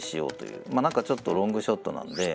まあ何かちょっとロングショットなので。